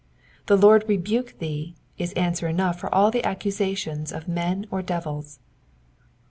^* The Lord rebuke thee" is answer enough for all the accusations of men or devils.